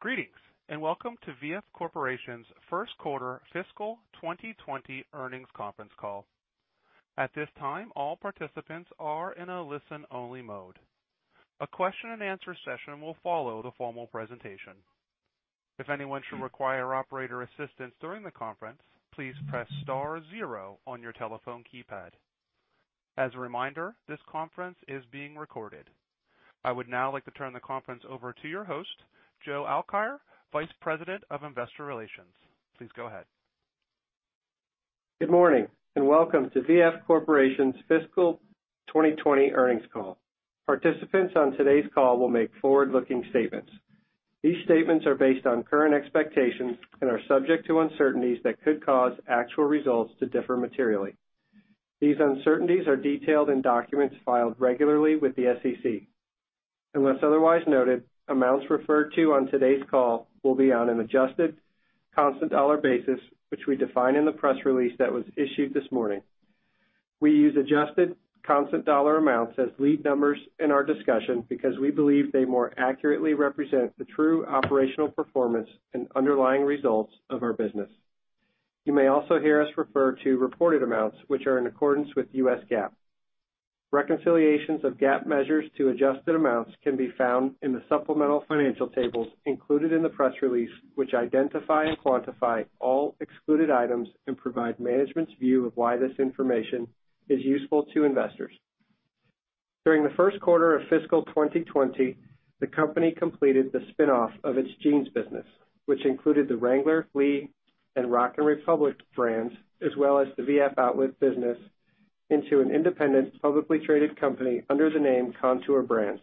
Greetings, and welcome to VF Corporation's First Quarter Fiscal 2020 Earnings Conference Call. At this time, all participants are in a listen-only mode. A question-and-answer session will follow the formal presentation. If anyone should require operator assistance during the conference, please press star zero on your telephone keypad. As a reminder, this conference is being recorded. I would now like to turn the conference over to your host, Joe Alkire, Vice President of Investor Relations. Please go ahead. Good morning, welcome to VF Corporation's Fiscal 2020 Earnings Call. Participants on today's call will make forward-looking statements. These statements are based on current expectations and are subject to uncertainties that could cause actual results to differ materially. These uncertainties are detailed in documents filed regularly with the SEC. Unless otherwise noted, amounts referred to on today's call will be on an adjusted constant dollar basis, which we define in the press release that was issued this morning. We use adjusted constant dollar amounts as lead numbers in our discussion because we believe they more accurately represent the true operational performance and underlying results of our business. You may also hear us refer to reported amounts, which are in accordance with U.S. GAAP. Reconciliations of GAAP measures to adjusted amounts can be found in the supplemental financial tables included in the press release, which identify and quantify all excluded items and provide management's view of why this information is useful to investors. During the first quarter of fiscal 2020, the company completed the spin-off of its jeans business, which included the Wrangler, Lee, and Rock & Republic brands, as well as the VF Outlet business into an independent, publicly traded company under the name Kontoor Brands.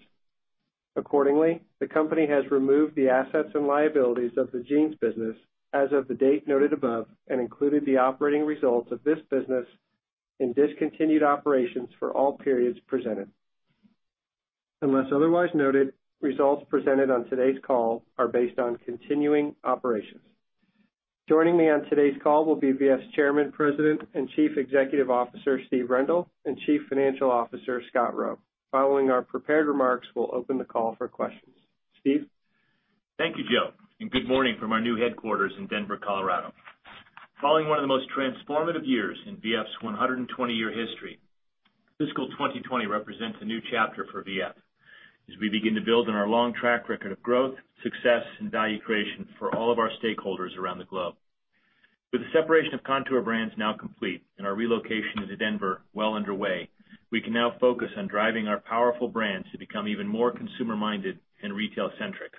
Accordingly, the company has removed the assets and liabilities of the jeans business as of the date noted above and included the operating results of this business in discontinued operations for all periods presented. Unless otherwise noted, results presented on today's call are based on continuing operations. Joining me on today's call will be VF's Chairman, President, and Chief Executive Officer, Steve Rendle, and Chief Financial Officer, Scott Roe. Following our prepared remarks, we'll open the call for questions. Steve? Thank you, Joe, and good morning from our new headquarters in Denver, Colorado. Following one of the most transformative years in VF's 120-year history, fiscal 2020 represents a new chapter for VF as we begin to build on our long track record of growth, success, and value creation for all of our stakeholders around the globe. With the separation of Kontoor Brands now complete and our relocation to Denver well underway, we can now focus on driving our powerful brands to become even more consumer-minded and retail-centric.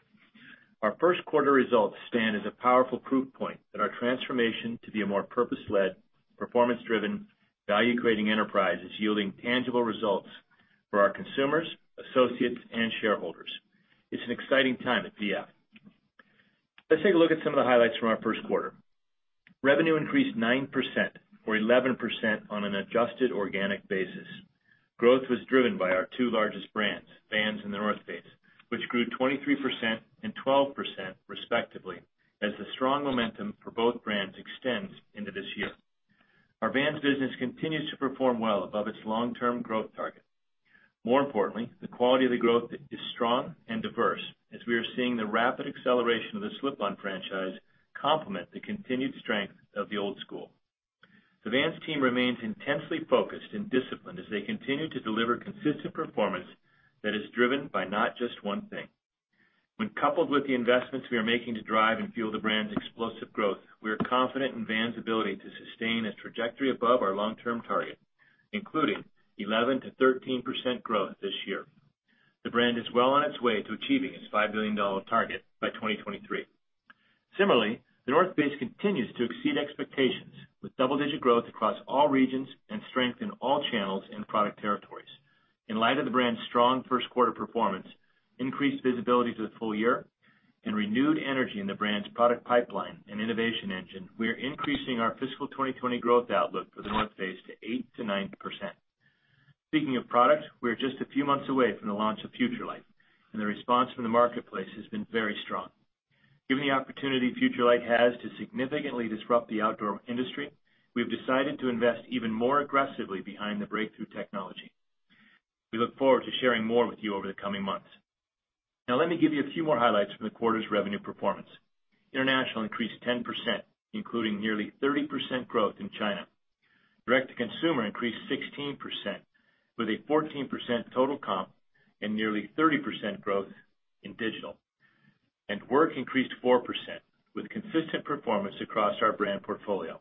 Our first quarter results stand as a powerful proof point that our transformation to be a more purpose-led, performance-driven, value-creating enterprise is yielding tangible results for our consumers, associates, and shareholders. It's an exciting time at VF. Let's take a look at some of the highlights from our first quarter. Revenue increased 9%, or 11% on an adjusted organic basis. Growth was driven by our two largest brands, Vans and The North Face, which grew 23% and 12%, respectively, as the strong momentum for both brands extends into this year. Our Vans business continues to perform well above its long-term growth target. More importantly, the quality of the growth is strong and diverse as we are seeing the rapid acceleration of the slip-on franchise complement the continued strength of the Old Skool. The Vans team remains intensely focused and disciplined as they continue to deliver consistent performance that is driven by not just one thing. When coupled with the investments we are making to drive and fuel the brand's explosive growth, we are confident in Vans' ability to sustain a trajectory above our long-term target, including 11%-13% growth this year. The brand is well on its way to achieving its $5 billion target by 2023. Similarly, The North Face continues to exceed expectations with double-digit growth across all regions and strength in all channels and product territories. In light of the brand's strong first quarter performance, increased visibility to the full-year, and renewed energy in the brand's product pipeline and innovation engine, we are increasing our fiscal 2020 growth outlook for The North Face to eight to nine%. Speaking of product, we are just a few months away from the launch of FUTURELIGHT, and the response from the marketplace has been very strong. Given the opportunity FUTURELIGHT has to significantly disrupt the outdoor industry, we've decided to invest even more aggressively behind the breakthrough technology. We look forward to sharing more with you over the coming months. Now, let me give you a few more highlights from the quarter's revenue performance. International increased 10%, including nearly 30% growth in China. Direct-to-consumer increased 16%, with a 14% total comp and nearly 30% growth in digital. Work increased 4% with consistent performance across our brand portfolio.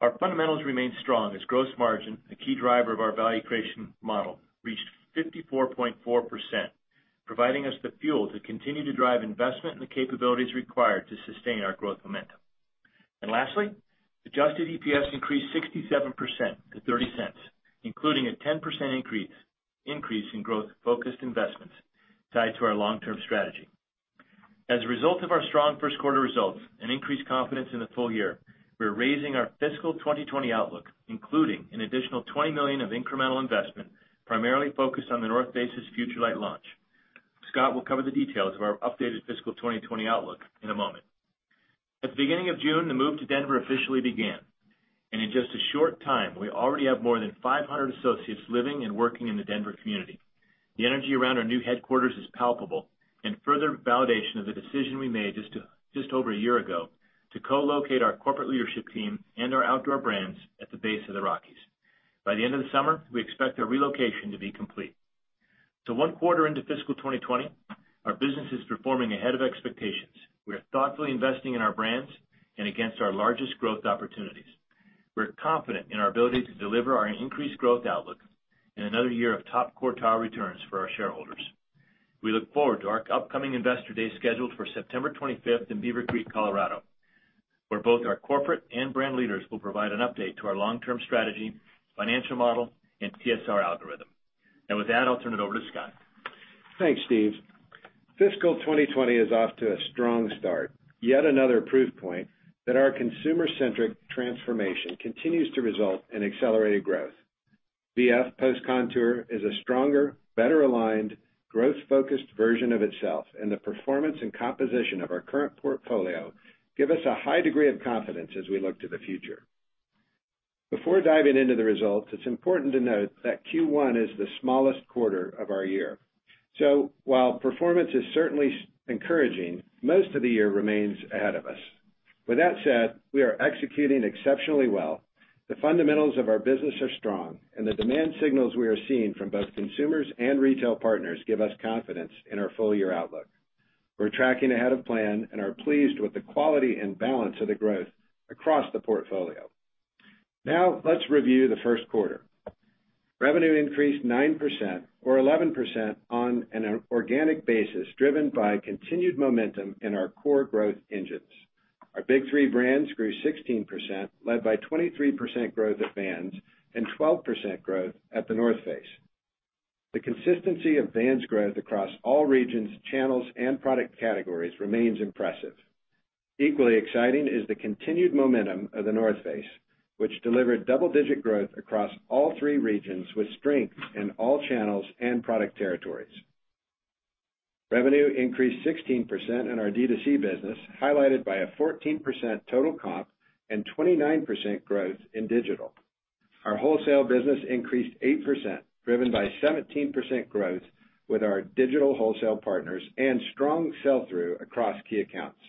Our fundamentals remain strong as gross margin, a key driver of our value creation model, reached 54.4%, providing us the fuel to continue to drive investment in the capabilities required to sustain our growth momentum. Lastly, adjusted EPS increased 67% to $0.30, including a 10% increase in growth-focused investments tied to our long-term strategy. As a result of our strong first quarter results and increased confidence in the full-year, we're raising our fiscal 2020 outlook, including an additional $20 million of incremental investment, primarily focused on The North Face's FUTURELIGHT launch. Scott will cover the details of our updated fiscal 2020 outlook in a moment. At the beginning of June, the move to Denver officially began. In just a short time, we already have more than 500 associates living and working in the Denver community. The energy around our new headquarters is palpable and further validation of the decision we made just over a year ago to co-locate our corporate leadership team and our outdoor brands at the base of the Rockies. By the end of the summer, we expect the relocation to be complete. One quarter into fiscal 2020, our business is performing ahead of expectations. We are thoughtfully investing in our brands and against our largest growth opportunities. We're confident in our ability to deliver our increased growth outlook and another year of top quartile returns for our shareholders. We look forward to our upcoming Investor Day scheduled for September 25th in Beaver Creek, Colorado, where both our corporate and brand leaders will provide an update to our long-term strategy, financial model, and TSR algorithm. With that, I'll turn it over to Scott. Thanks, Steve. Fiscal 2020 is off to a strong start. Yet another proof point that our consumer-centric transformation continues to result in accelerated growth. VF post Kontoor is a stronger, better aligned, growth-focused version of itself, and the performance and composition of our current portfolio give us a high degree of confidence as we look to the future. Before diving into the results, it's important to note that Q1 is the smallest quarter of our year. While performance is certainly encouraging, most of the year remains ahead of us. With that said, we are executing exceptionally well. The fundamentals of our business are strong, and the demand signals we are seeing from both consumers and retail partners give us confidence in our full-year outlook. We're tracking ahead of plan and are pleased with the quality and balance of the growth across the portfolio. Now let's review the first quarter. Revenue increased 9% or 11% on an organic basis, driven by continued momentum in our core growth engines. Our big three brands grew 16%, led by 23% growth at Vans and 12% growth at The North Face. The consistency of Vans growth across all regions, channels, and product categories remains impressive. Equally exciting is the continued momentum of The North Face, which delivered double-digit growth across all three regions with strength in all channels and product territories. Revenue increased 16% in our D2C business, highlighted by a 14% total comp and 29% growth in digital. Our wholesale business increased 8%, driven by 17% growth with our digital wholesale partners and strong sell-through across key accounts.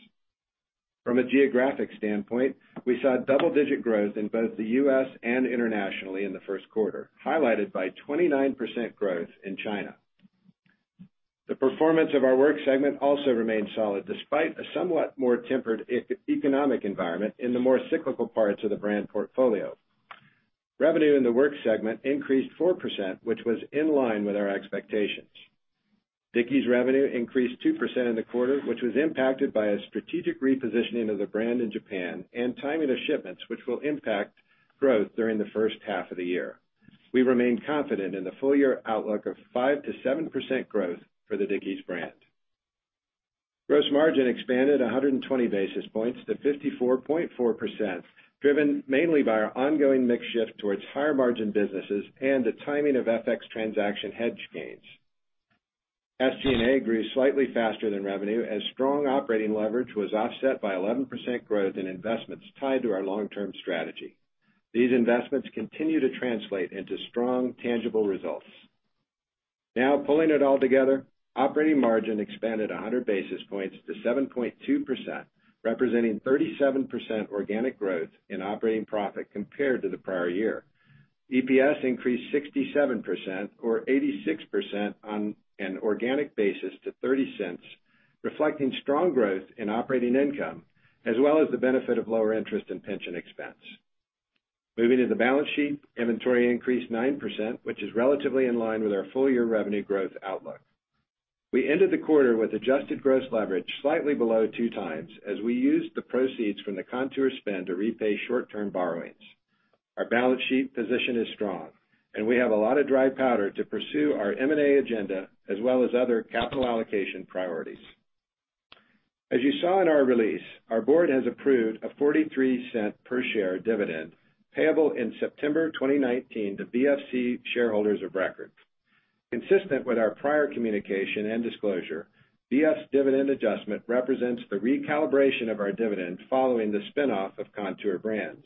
From a geographic standpoint, we saw double-digit growth in both the U.S. and internationally in the first quarter, highlighted by 29% growth in China. The performance of our work segment also remained solid, despite a somewhat more tempered economic environment in the more cyclical parts of the brand portfolio. Revenue in the work segment increased 4%, which was in line with our expectations. Dickies revenue increased 2% in the quarter, which was impacted by a strategic repositioning of the brand in Japan and timing of shipments, which will impact growth during the first half of the year. We remain confident in the full-year outlook of 5%-7% growth for the Dickies brand. Gross margin expanded 120 basis points to 54.4%, driven mainly by our ongoing mix shift towards higher margin businesses and the timing of FX transaction hedge gains. SGA grew slightly faster than revenue as strong operating leverage was offset by 11% growth in investments tied to our long-term strategy. These investments continue to translate into strong tangible results. Pulling it all together, operating margin expanded 100 basis points to 7.2%, representing 37% organic growth in operating profit compared to the prior year. EPS increased 67% or 86% on an organic basis to $0.30, reflecting strong growth in operating income, as well as the benefit of lower interest in pension expense. Moving to the balance sheet, inventory increased 9%, which is relatively in line with our full-year revenue growth outlook. We ended the quarter with adjusted gross leverage slightly below two times as we used the proceeds from the Kontoor spin to repay short-term borrowings. Our balance sheet position is strong, we have a lot of dry powder to pursue our M&A agenda as well as other capital allocation priorities. As you saw in our release, our board has approved a $0.43 per share dividend payable in September 2019 to VFC shareholders of record. Consistent with our prior communication and disclosure, VF's dividend adjustment represents the recalibration of our dividend following the spin-off of Kontoor Brands.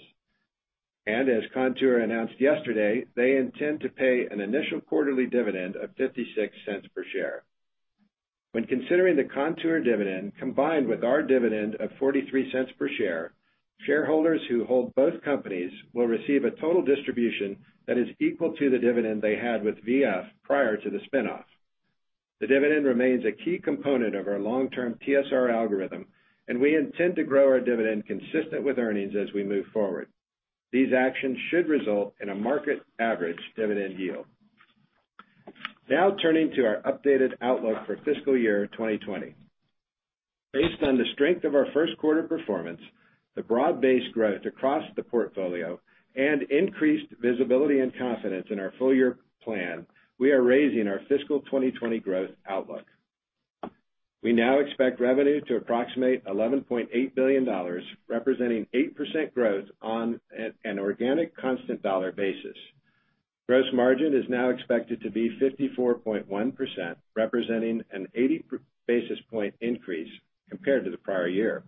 As Kontoor announced yesterday, they intend to pay an initial quarterly dividend of $0.56 per share. When considering the Kontoor dividend combined with our dividend of $0.43 per share, shareholders who hold both companies will receive a total distribution that is equal to the dividend they had with VF prior to the spin-off. The dividend remains a key component of our long-term TSR algorithm, and we intend to grow our dividend consistent with earnings as we move forward. These actions should result in a market average dividend yield. Turning to our updated outlook for fiscal year 2020. Based on the strength of our first quarter performance, the broad-based growth across the portfolio, and increased visibility and confidence in our full-year plan, we are raising our fiscal 2020 growth outlook. We now expect revenue to approximate $11.8 billion, representing 8% growth on an organic constant dollar basis. Gross margin is now expected to be 54.1%, representing an 80 basis point increase compared to the prior year.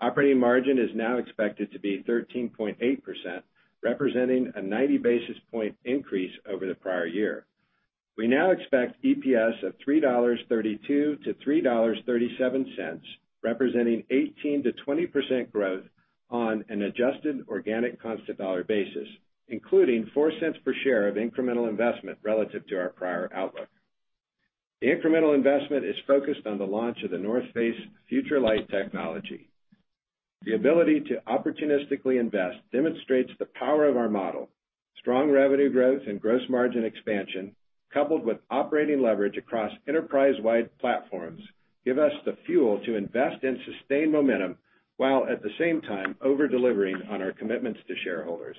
Operating margin is now expected to be 13.8%, representing a 90 basis point increase over the prior year. We now expect EPS of $3.32-$3.37, representing 18%-20% growth on an adjusted organic constant dollar basis, including $0.04 per share of incremental investment relative to our prior outlook. The incremental investment is focused on the launch of The North Face FUTURELIGHT technology. The ability to opportunistically invest demonstrates the power of our model. Strong revenue growth and gross margin expansion, coupled with operating leverage across enterprise-wide platforms, give us the fuel to invest in sustained momentum, while at the same time over-delivering on our commitments to shareholders.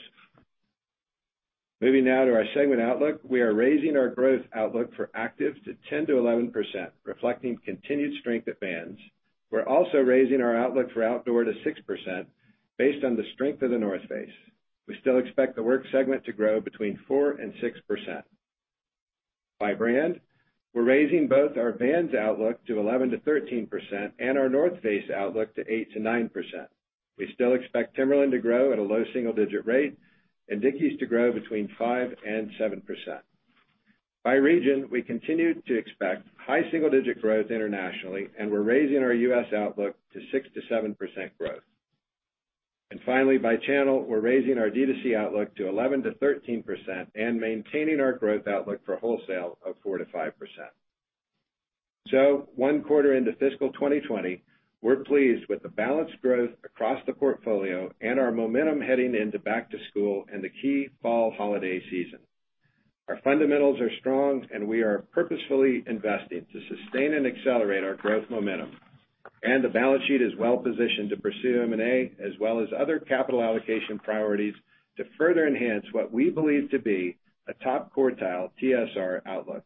Moving now to our segment outlook. We are raising our growth outlook for Active to 10%-11%, reflecting continued strength at Vans. We're also raising our outlook for Outdoor to 6%, based on the strength of The North Face. We still expect the Work segment to grow between 4% and 6%. By brand, we're raising both our Vans outlook to 11%-13% and our The North Face outlook to 8%-9%. We still expect Timberland to grow at a low single-digit rate and Dickies to grow between 5% and 7%. By region, we continue to expect high single-digit growth internationally, and we're raising our U.S. outlook to 6%-7% growth. Finally, by channel, we're raising our D2C outlook to 11%-13% and maintaining our growth outlook for wholesale of 4%-5%. One quarter into fiscal 2020, we're pleased with the balanced growth across the portfolio and our momentum heading into back to school and the key fall holiday season. Our fundamentals are strong, and we are purposefully investing to sustain and accelerate our growth momentum. The balance sheet is well positioned to pursue M&A as well as other capital allocation priorities to further enhance what we believe to be a top quartile TSR outlook.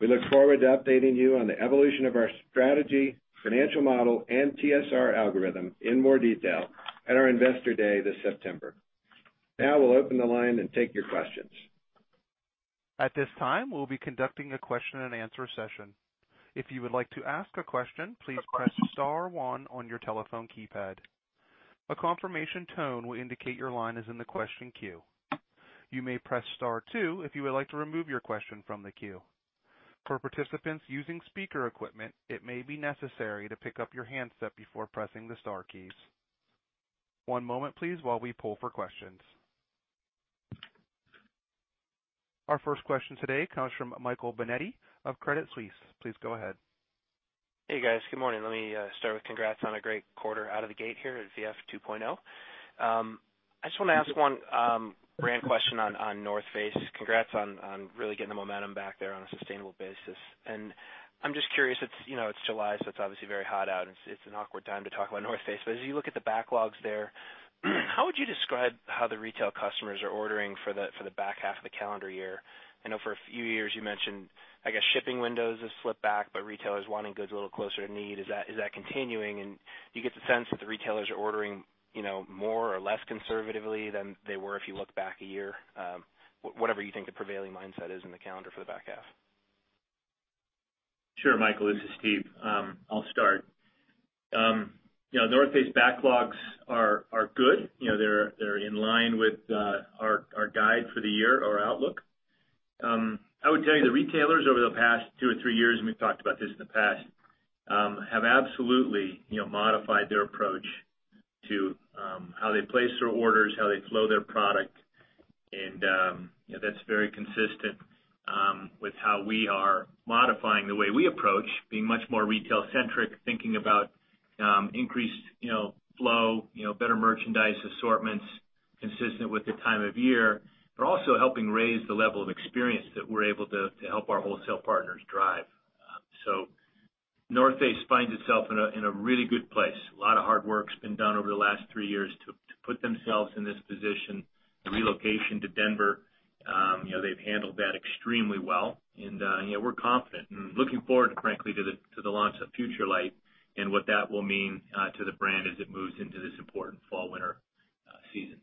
We look forward to updating you on the evolution of our strategy, financial model, and TSR algorithm in more detail at our Investor Day this September. We'll open the line and take your questions. At this time, we'll be conducting a question-and-answer session. If you would like to ask a question, please press star one on your telephone keypad. A confirmation tone will indicate your line is in the question queue. You may press star two if you would like to remove your question from the queue. For participants using speaker equipment, it may be necessary to pick up your handset before pressing the star keys. One moment, please, while we pull for questions. Our first question today comes from Michael Binetti of Credit Suisse. Please go ahead. Hey, guys. Good morning. Let me start with congrats on a great quarter out of the gate here at VF 2.0. I just want to ask one brand question on The North Face. Congrats on really getting the momentum back there on a sustainable basis. I'm just curious, it's July, so it's obviously very hot out, and it's an awkward time to talk about The North Face. As you look at the backlogs there, how would you describe how the retail customers are ordering for the back half of the calendar year? I know for a few years you mentioned, I guess, shipping windows have slipped back, but retailers wanting goods a little closer to need. Is that continuing? Do you get the sense that the retailers are ordering more or less conservatively than they were if you look back a year? Whatever you think the prevailing mindset is in the calendar for the back half. Sure, Michael. This is Steve. I'll start. The North Face backlogs are good. They're in line with our guide for the year, our outlook. I would tell you the retailers over the past two or three years, and we've talked about this in the past, have absolutely modified their approach to how they place their orders, how they flow their product. That's very consistent with how we are modifying the way we approach, being much more retail centric, thinking about increased flow, better merchandise assortments consistent with the time of year, but also helping raise the level of experience that we're able to help our wholesale partners drive. The North Face finds itself in a really good place. A lot of hard work's been done over the last three years to put themselves in this position. The relocation to Denver, they've handled that extremely well. We're confident and looking forward, frankly, to the launch of FUTURELIGHT and what that will mean to the brand as it moves into this important fall winter season.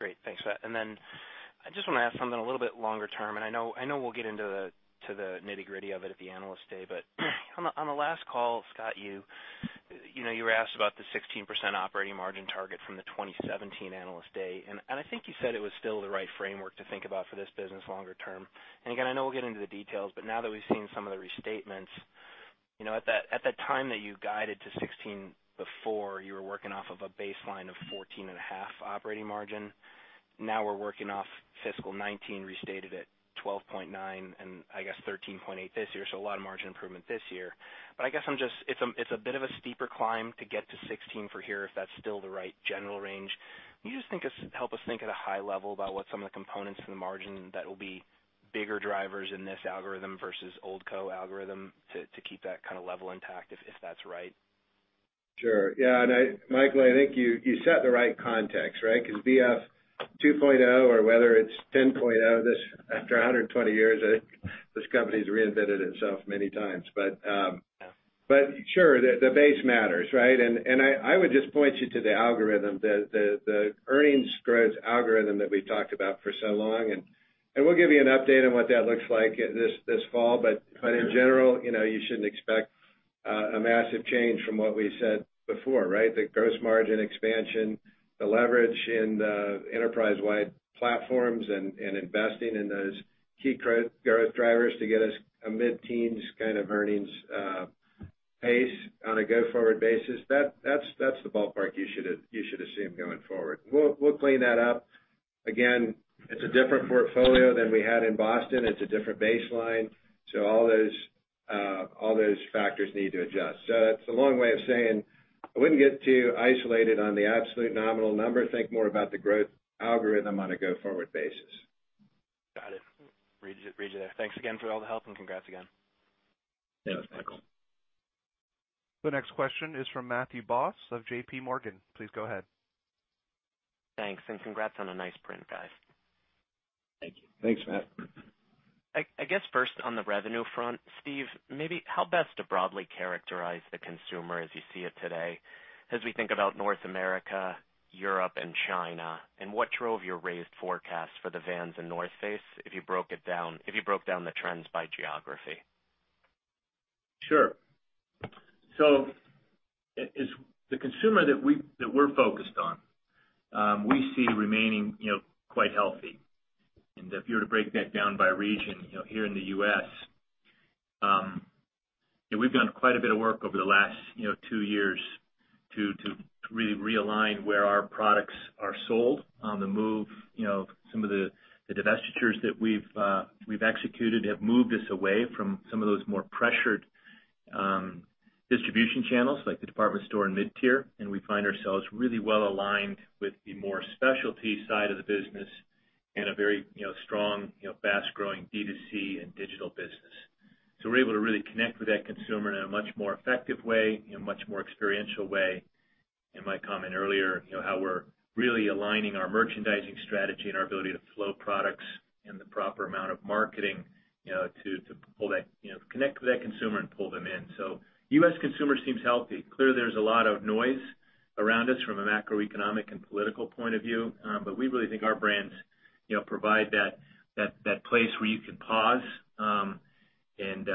Great. Thanks for that. I just want to ask something a little bit longer term, I know we'll get into the nitty-gritty of it at the Analyst Day. On the last call, Scott, you were asked about the 16% operating margin target from the 2017 Analyst Day, I think you said it was still the right framework to think about for this business longer term. Again, I know we'll get into the details, but now that we've seen some of the restatements. At the time that you guided to 16% before, you were working off of a baseline of 14 and a half operating margin. Now we're working off fiscal 2019 restated at 12.9% and I guess 13.8% this year. A lot of margin improvement this year. I guess it's a bit of a steeper climb to get to 16 for here, if that's still the right general range. Can you just help us think at a high level about what some of the components in the margin that will be bigger drivers in this algorithm versus old co algorithm to keep that kind of level intact, if that's right? Sure. Yeah. Michael, I think you set the right context, right? VF 2.0 or whether it's 10.0, after 120 years, this company's reinvented itself many times. Sure, the base matters, right? I would just point you to the algorithm, the earnings growth algorithm that we've talked about for so long. We'll give you an update on what that looks like this fall. In general, you shouldn't expect a massive change from what we said before, right? The gross margin expansion, the leverage in the enterprise-wide platforms, and investing in those key growth drivers to get us a mid-teens kind of earnings pace on a go-forward basis. That's the ballpark you should assume going forward. We'll clean that up. Again, it's a different portfolio than we had before. It's a different baseline. All those factors need to adjust. That's a long way of saying I wouldn't get too isolated on the absolute nominal number. Think more about the growth algorithm on a go-forward basis. Got it. Read you there. Thanks again for all the help and congrats again. Yeah. Thanks, Michael. The next question is from Matthew Boss of JPMorgan. Please go ahead. Thanks and congrats on a nice print, guys. Thank you. Thanks, Matt. I guess first on the revenue front, Steve, maybe how best to broadly characterize the consumer as you see it today, as we think about North America, Europe, and China, and what drove your raised forecast for the Vans and The North Face, if you broke down the trends by geography? Sure. The consumer that we're focused on, we see remaining quite healthy. If you were to break that down by region, here in the U.S., we've done quite a bit of work over the last two years to really realign where our products are sold on the move. Some of the divestitures that we've executed have moved us away from some of those more pressured distribution channels, like the department store and mid-tier. We find ourselves really well aligned with the more specialty side of the business and a very strong, fast-growing D2C and digital business. We're able to really connect with that consumer in a much more effective way, in a much more experiential way. In my comment earlier, how we're really aligning our merchandising strategy and our ability to flow products and the proper amount of marketing to connect with that consumer and pull them in. U.S. consumer seems healthy. Clearly, there's a lot of noise around us from a macroeconomic and political point of view. We really think our brands provide that place where you can pause and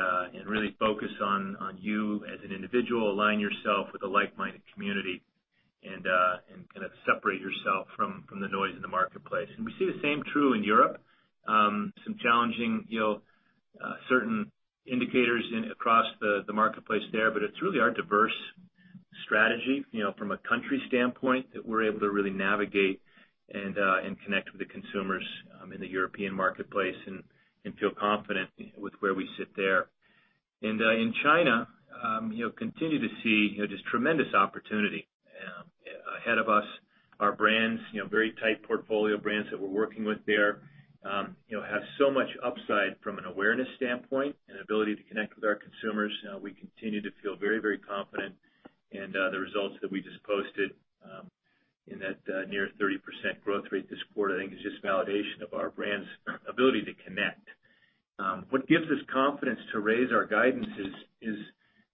really focus on you as an individual, align yourself with a like-minded community and kind of separate yourself from the noise in the marketplace. We see the same true in Europe. Some challenging certain indicators across the marketplace there, but it's really our diverse strategy from a country standpoint that we're able to really navigate and connect with the consumers in the European marketplace and feel confident with where we sit there. In China, continue to see just tremendous opportunity ahead of us. Our brands, very tight portfolio brands that we're working with there have so much upside from an awareness standpoint and ability to connect with our consumers. We continue to feel very, very confident. The results that we just posted in that near 30% growth rate this quarter, I think is just validation of our brand's ability to connect. What gives us confidence to raise our guidance is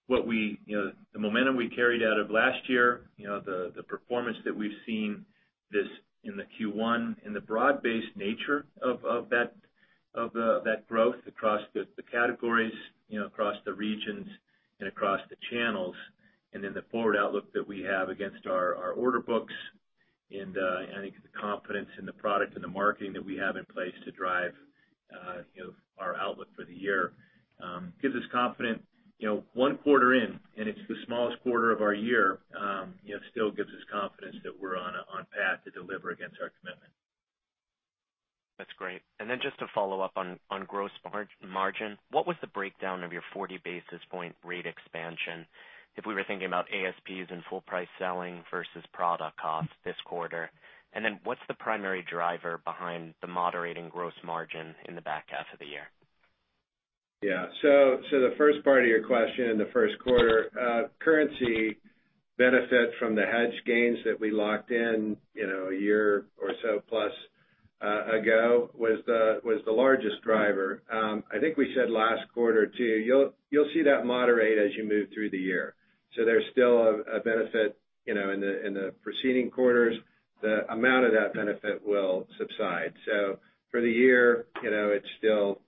the momentum we carried out of last year, the performance that we've seen in the Q1, and the broad-based nature of that growth across the categories, across the regions, and across the channels. Then the forward outlook that we have against our order books. I think the confidence in the product and the marketing that we have in place to drive our outlook for the year gives us confidence. One quarter in, and it's the smallest quarter of our year, still gives us confidence that we're on path to deliver against our commitment. That's great. Then just to follow up on gross margin. What was the breakdown of your 40 basis point rate expansion? If we were thinking about ASPs and full price selling versus product cost this quarter. Then what's the primary driver behind the moderating gross margin in the back half of the year? Yeah. The first part of your question in the first quarter, currency benefit from the hedge gains that we locked in a year or so plus ago was the largest driver. I think we said last quarter too, you'll see that moderate as you move through the year. There's still a benefit in the preceding quarters. The amount of that benefit will subside. For the year, it's still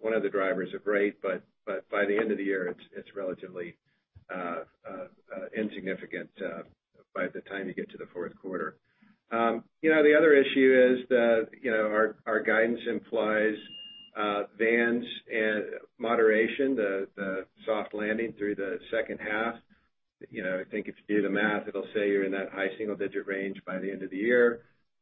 one of the drivers of rate, but by the end of the year, it's relatively insignificant by the time you get to the fourth quarter. The other issue is that our guidance implies Vans moderation, the soft landing through the second half. I think if you do the math, it'll say you're in that high single-digit range by the end of the year.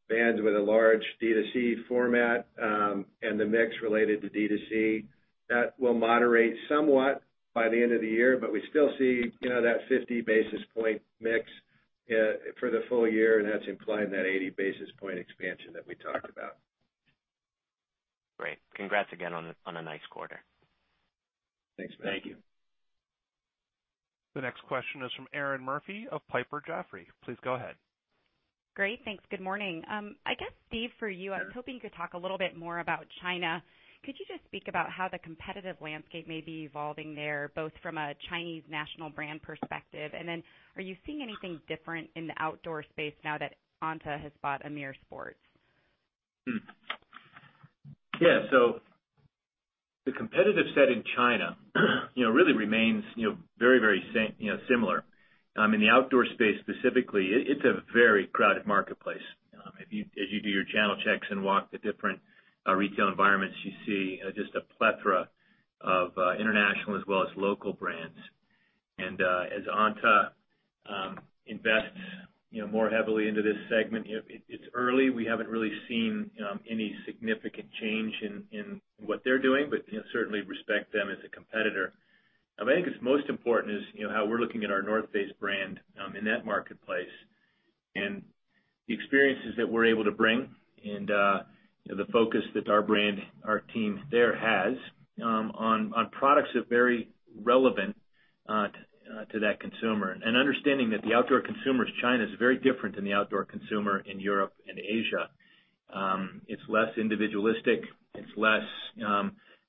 Vans with a large D2C format and the mix related to D2C, that will moderate somewhat by the end of the year, but we still see that 50 basis point mix for the full-year, and that's implying that 80 basis point expansion that we talked about. Great. Congrats again on a nice quarter. Thanks, Matt. Thank you. The next question is from Erinn Murphy of Piper Jaffray. Please go ahead. Great. Thanks. Good morning. I guess, Steve, for you, I was hoping you could talk a little bit more about China. Could you just speak about how the competitive landscape may be evolving there, both from a Chinese national brand perspective, are you seeing anything different in the outdoor space now that ANTA has bought Amer Sports? Yeah. The competitive set in China really remains very similar. In the outdoor space specifically, it's a very crowded marketplace. As you do your channel checks and walk the different retail environments, you see just a plethora of international as well as local brands. As ANTA invests more heavily into this segment, it's early. We haven't really seen any significant change in what they're doing, certainly respect them as a competitor. I think what's most important is how we're looking at our The North Face brand in that marketplace and the experiences that we're able to bring and the focus that our brand, our team there has on products that are very relevant to that consumer. Understanding that the outdoor consumer in China is very different than the outdoor consumer in Europe and Asia. It's less individualistic. It's less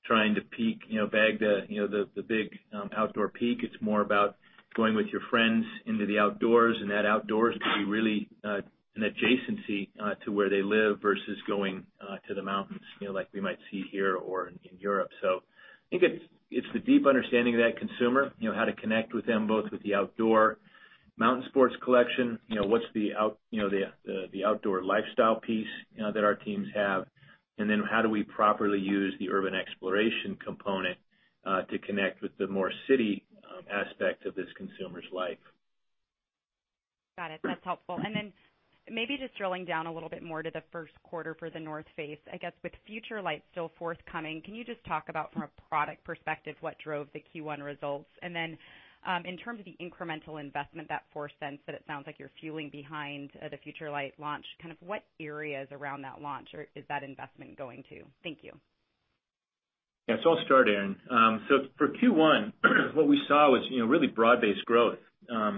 trying to bag the big outdoor peak. It's more about going with your friends into the outdoors, that outdoors can be really an adjacency to where they live versus going to the mountains, like we might see here or in Europe. I think it's the deep understanding of that consumer, how to connect with them both with the outdoor mountain sports collection. What's the outdoor lifestyle piece that our teams have? How do we properly use the Urban Exploration component to connect with the more city aspect of this consumer's life? Got it. That's helpful. Then maybe just drilling down a little bit more to the first quarter for The North Face. I guess with FUTURELIGHT still forthcoming, can you just talk about, from a product perspective, what drove the Q1 results? Then in terms of the incremental investment, that $0.04 that it sounds like you're fueling behind the FUTURELIGHT launch. What areas around that launch is that investment going to? Thank you. I'll start, Erinn. For Q1, what we saw was really broad-based growth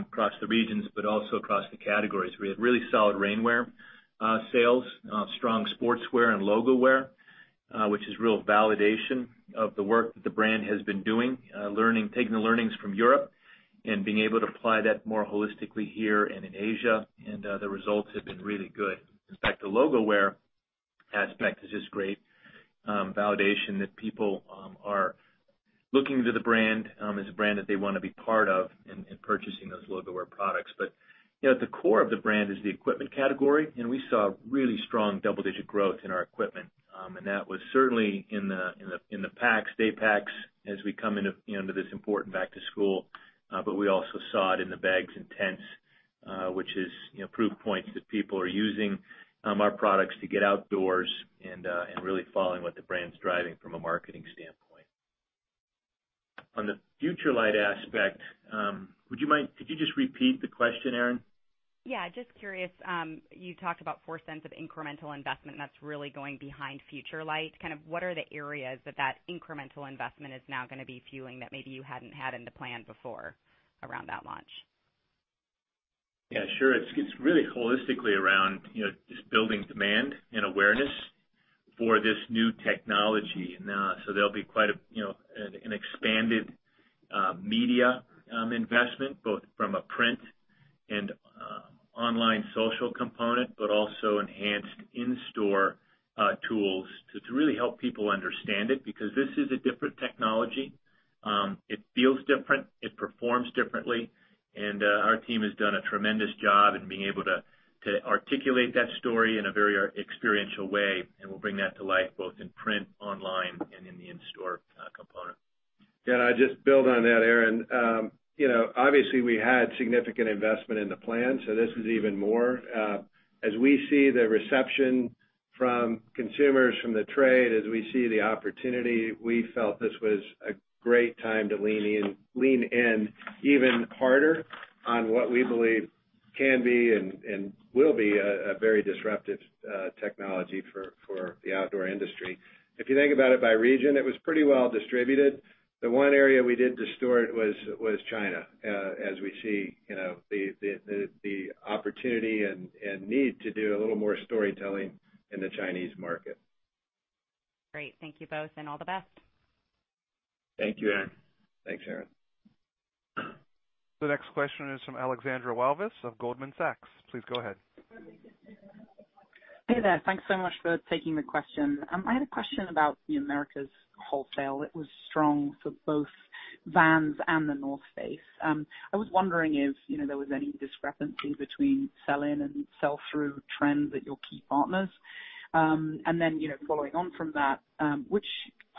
across the regions, but also across the categories. We had really solid rainwear sales, strong sportswear and logo wear, which is real validation of the work that the brand has been doing. Taking the learnings from Europe and being able to apply that more holistically here and in Asia, the results have been really good. In fact, the logo wear aspect is just great validation that people are looking to the brand as a brand that they want to be part of in purchasing those logo wear products. At the core of the brand is the equipment category. We saw really strong double-digit growth in our equipment. That was certainly in the day packs as we come into this important back to school. We also saw it in the bags and tents, which is proof points that people are using our products to get outdoors and really following what the brand's driving from a marketing standpoint. On the FUTURELIGHT aspect, could you just repeat the question, Erinn? Yeah, just curious. You talked about $0.04 of incremental investment. That's really going behind FUTURELIGHT. What are the areas that that incremental investment is now going to be fueling that maybe you hadn't had in the plan before around that launch? Yeah, sure. It's really holistically around just building demand and awareness for this new technology. There'll be quite an expanded media investment, both from a print and online social component, but also enhanced in-store tools to really help people understand it, because this is a different technology. It feels different, it performs differently, and our team has done a tremendous job in being able to articulate that story in a very experiential way. We'll bring that to life both in print, online, and in the in-store component. I'll just build on that, Erinn. Obviously, we had significant investment in the plan, this is even more. As we see the reception from consumers, from the trade, as we see the opportunity, we felt this was a great time to lean in even harder on what we believe can be and will be a very disruptive technology for the outdoor industry. If you think about it by region, it was pretty well distributed. The one area we did distort was China, as we see the opportunity and need to do a little more storytelling in the Chinese market. Great. Thank you both, and all the best. Thank you, Erinn. Thanks, Erinn. The next question is from Alexandra Walvis of Goldman Sachs. Please go ahead. Hey there. Thanks so much for taking the question. I had a question about the Americas wholesale. It was strong for both Vans and The North Face. I was wondering if there was any discrepancy between sell-in and sell-through trends at your key partners. Following on from that, which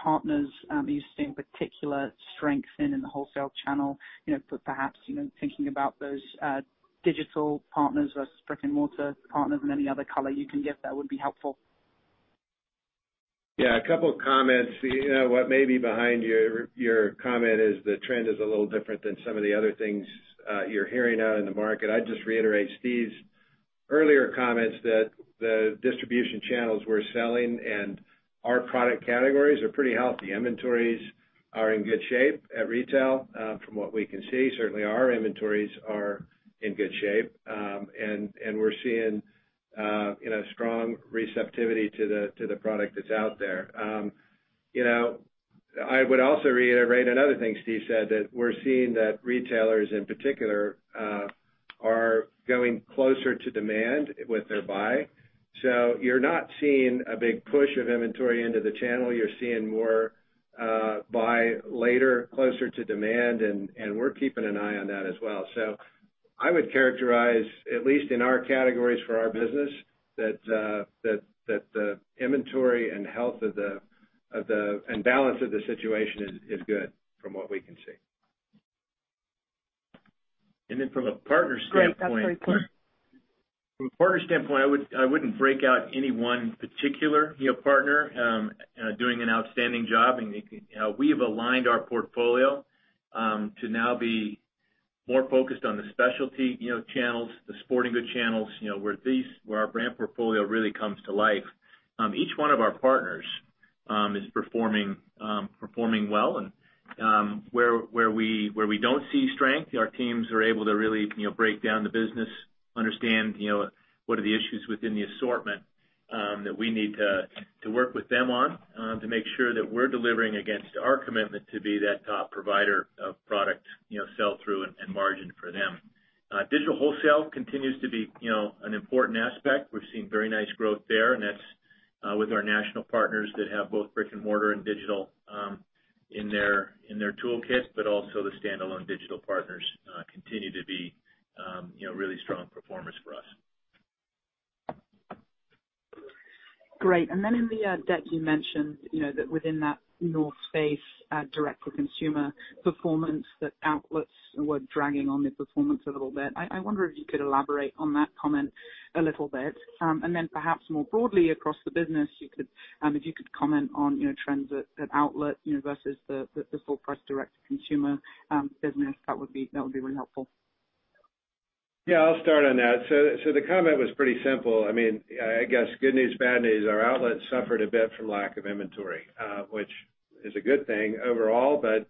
partners are you seeing particular strength in in the wholesale channel? Perhaps thinking about those digital partners versus brick-and-mortar partners and any other color you can give that would be helpful. A couple of comments. What may be behind your comment is the trend is a little different than some of the other things you're hearing out in the market. I'd just reiterate Steve's earlier comments that the distribution channels we're selling and our product categories are pretty healthy. Inventories are in good shape at retail, from what we can see. Certainly, our inventories are in good shape. We're seeing strong receptivity to the product that's out there. I would also reiterate another thing Steve said, that we're seeing that retailers in particular, are going closer to demand with their buy. You're not seeing a big push of inventory into the channel. You're seeing more buy later, closer to demand, and we're keeping an eye on that as well. I would characterize, at least in our categories for our business, that the inventory and health and balance of the situation is good from what we can see. From a partner standpoint. Great. That's very clear. From a partner standpoint, I wouldn't break out any one particular partner doing an outstanding job. We have aligned our portfolio to now be more focused on the specialty channels, the sporting goods channels, where our brand portfolio really comes to life. Each one of our partners is performing well. Where we don't see strength, our teams are able to really break down the business, understand what are the issues within the assortment that we need to work with them on to make sure that we're delivering against our commitment to be that top provider of product sell-through and margin for them. Digital wholesale continues to be an important aspect. We've seen very nice growth there, and that's with our national partners that have both brick and mortar and digital in their toolkit, but also the standalone digital partners continue to be really strong performers for us. Great. In the deck, you mentioned that within that The North Face direct to consumer performance, that outlets were dragging on the performance a little bit. I wonder if you could elaborate on that comment a little bit. Perhaps more broadly across the business, if you could comment on trends at outlet versus the full price direct to consumer business, that would be really helpful. Yeah, I'll start on that. The comment was pretty simple. I guess good news, bad news. Our outlet suffered a bit from lack of inventory, which is a good thing overall, but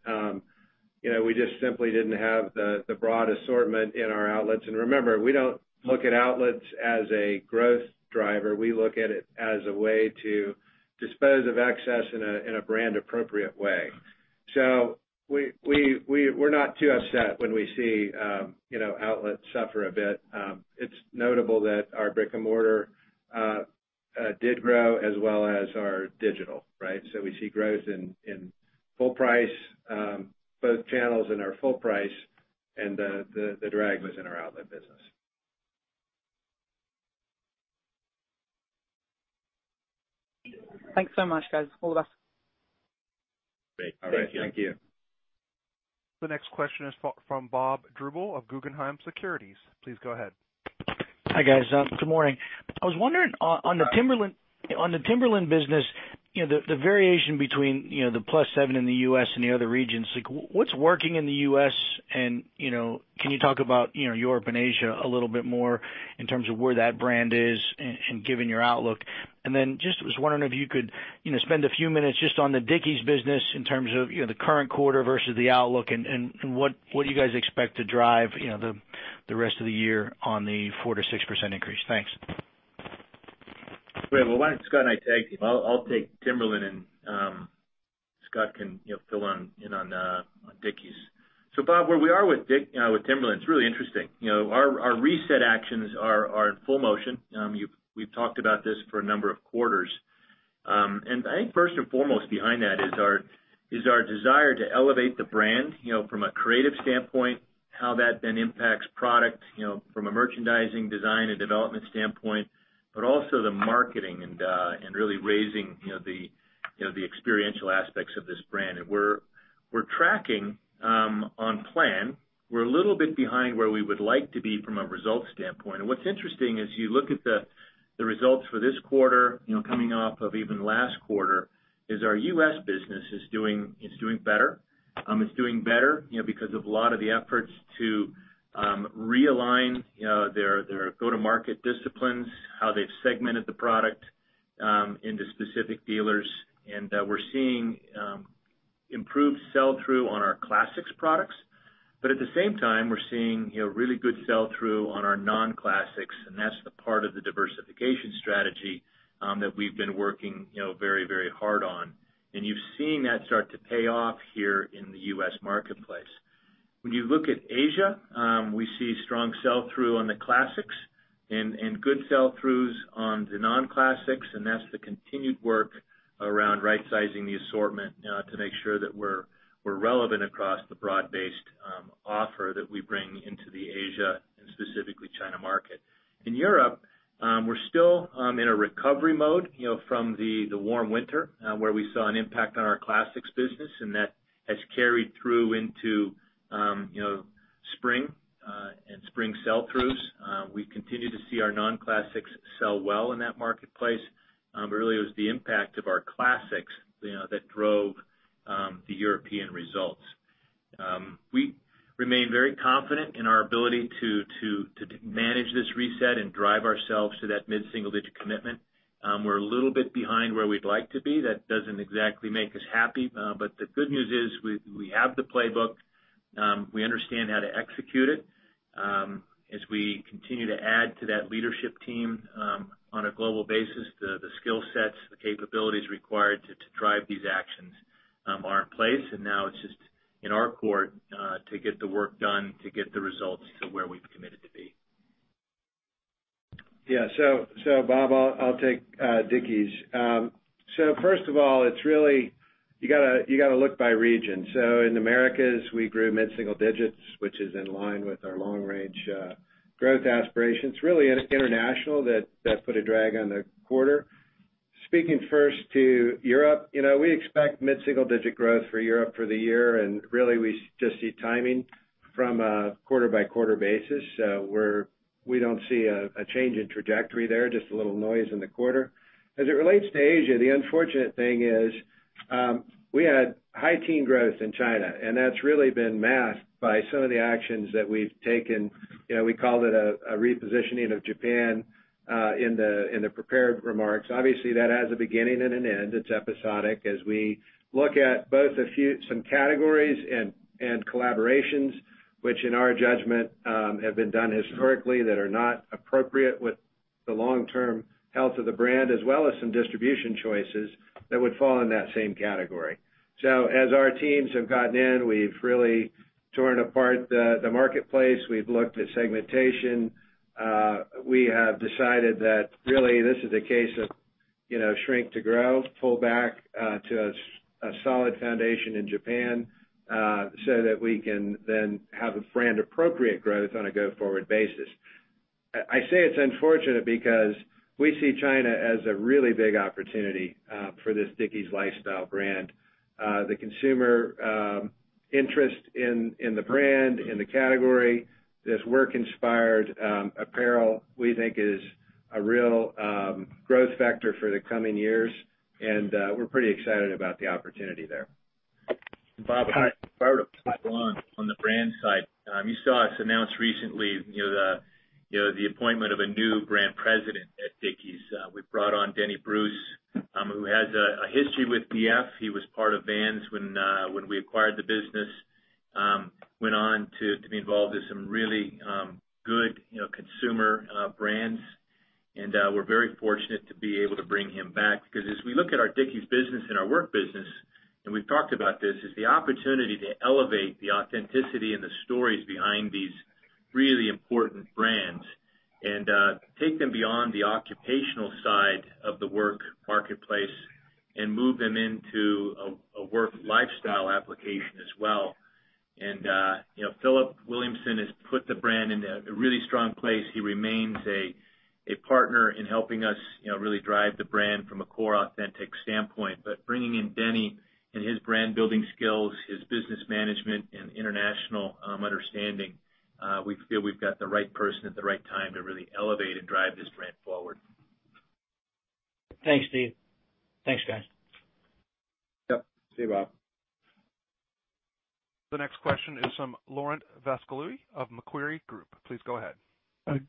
we just simply didn't have the broad assortment in our outlets. Remember, we don't look at outlets as a growth driver. We look at it as a way to dispose of excess in a brand appropriate way. We're not too upset when we see outlets suffer a bit. It's notable that our brick and mortar did grow as well as our digital, right? We see growth in both channels in our full price, and the drag was in our outlet business. Thanks so much, guys. All the best. Great. All right. Thank you. Thank you. The next question is from Bob Drbul of Guggenheim Securities. Please go ahead. Hi, guys. Good morning. I was wondering on the Timberland business, the variation between the +7 in the U.S. and the other regions, what's working in the U.S. and can you talk about Europe and Asia a little bit more in terms of where that brand is and giving your outlook? Just was wondering if you could spend a few minutes just on the Dickies business in terms of the current quarter versus the outlook and what you guys expect to drive the rest of the year on the 4%-6% increase. Thanks. Great. Why don't Scott and I tag team? I'll take Timberland, and Scott can fill in on Dickies. Bob, where we are with Timberland, it's really interesting. Our reset actions are in full motion. We've talked about this for a number of quarters. I think first and foremost behind that is our desire to elevate the brand from a creative standpoint, how that then impacts product from a merchandising design and development standpoint, but also the marketing and really raising the experiential aspects of this brand. We're tracking on plan. We're a little bit behind where we would like to be from a results standpoint. What's interesting as you look at the results for this quarter, coming off of even last quarter, is our U.S. business is doing better. It's doing better because of a lot of the efforts to realign their go-to-market disciplines, how they've segmented the product into specific dealers. We're seeing improved sell-through on our classics products. At the same time, we're seeing really good sell-through on our non-classics, and that's the part of the diversification strategy that we've been working very hard on. You've seen that start to pay off here in the U.S. marketplace. When you look at Asia, we see strong sell-through on the classics and good sell-throughs on the non-classics, and that's the continued work around right-sizing the assortment to make sure that we're relevant across the broad-based offer that we bring into the Asia and specifically China market. In Europe, we're still in a recovery mode from the warm winter, where we saw an impact on our classics business, and that has carried through into spring and spring sell-throughs. We continue to see our non-classics sell well in that marketplace. Really, it was the impact of our classics that drove the European results. We remain very confident in our ability to manage this reset and drive ourselves to that mid-single digit commitment. We're a little bit behind where we'd like to be. That doesn't exactly make us happy. The good news is, we have the playbook. We understand how to execute it. We continue to add to that leadership team on a global basis, the skill sets, the capabilities required to drive these actions are in place. Now it's just in our court to get the work done, to get the results to where we've committed to be. Yeah. Bob, I'll take Dickies. In Americas, we grew mid-single digits, which is in line with our long range growth aspirations. It's really international that put a drag on the quarter. Speaking first to Europe, we expect mid-single digit growth for Europe for the year, and really we just see timing from a quarter by quarter basis. We don't see a change in trajectory there, just a little noise in the quarter. As it relates to Asia, the unfortunate thing is, we had high teen growth in China, and that's really been masked by some of the actions that we've taken. We called it a repositioning of Japan, in the prepared remarks. Obviously, that has a beginning and an end. It's episodic. As we look at both some categories and collaborations, which in our judgment, have been done historically that are not appropriate with the long-term health of the brand, as well as some distribution choices that would fall in that same category. As our teams have gotten in, we've really torn apart the marketplace. We've looked at segmentation. We have decided that really this is a case of shrink to grow, pull back to a solid foundation in Japan, so that we can then have a brand appropriate growth on a go-forward basis. I say it's unfortunate because we see China as a really big opportunity for this Dickies lifestyle brand. The consumer interest in the brand, in the category, this work inspired apparel we think is a real growth factor for the coming years, and we're pretty excited about the opportunity there. Bob, if I were to slide along on the brand side, you saw us announce recently the appointment of a new brand president at Dickies. We've brought on Denny Bruce, who has a history with VF. He was part of Vans when we acquired the business. Went on to be involved with some really good consumer brands. We're very fortunate to be able to bring him back, because as we look at our Dickies business and our work business, and we've talked about this, is the opportunity to elevate the authenticity and the stories behind these really important brands and take them beyond the occupational side of the work marketplace and move them into a work lifestyle application as well. Philip Williamson has put the brand in a really strong place. He remains a partner in helping us really drive the brand from a core authentic standpoint. Bringing in Denny and his brand building skills, his business management and international understanding, we feel we've got the right person at the right time to really elevate and drive this brand forward. Thanks, Steve. Thanks, guys. Yep. See you, Bob. The next question is from Laurent Vasilescu of Macquarie Group. Please go ahead.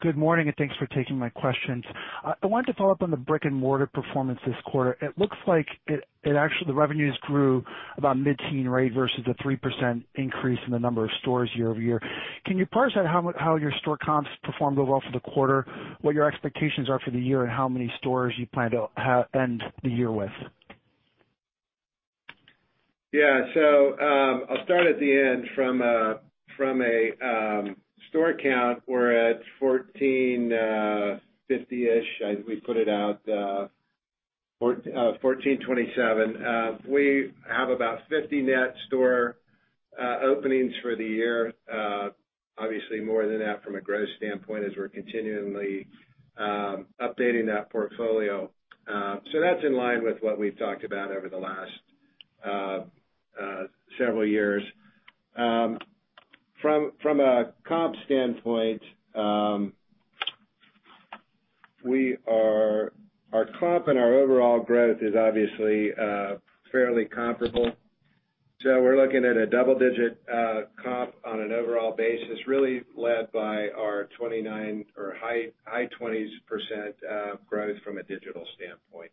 Good morning, and thanks for taking my questions. I wanted to follow up on the brick and mortar performance this quarter. It looks like the revenues grew about mid-teen rate versus a 3% increase in the number of stores year over year. Can you parse out how your store comps performed overall for the quarter, what your expectations are for the year, and how many stores you plan to end the year with? I'll start at the end. From a store count, we're at 1,450-ish. We put it out 1,427. We have about 50 net store openings for the year. Obviously more than that from a growth standpoint as we're continually updating that portfolio. That's in line with what we've talked about over the last several years. From a comp standpoint, our comp and our overall growth is obviously fairly comparable. We're looking at a double-digit comp on an overall basis, really led by our 29% or high 20s% growth from a digital standpoint.